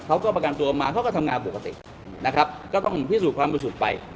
เขาก็ประกันตัวมาเขาก็ทำงานปกตินะครับก็ต้องพิสูจน์ความบริสุทธิ์ไป